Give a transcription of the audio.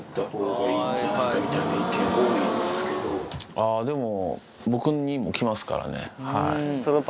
あぁでも。